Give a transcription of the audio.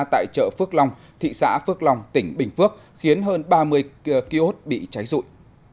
tại chợ phước long thị xã phước long tỉnh bình phước khiến hơn ba mươi kiosk bị cháy rụi